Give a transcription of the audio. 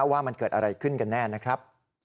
ว่ามันเกิดอะไรขึ้นกันแน่นะครับ